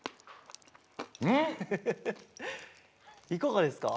いかがですか？